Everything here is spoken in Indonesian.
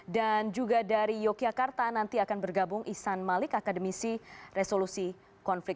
dan juga dari yogyakarta nanti akan bergabung isan malik akademisi resolusi konflik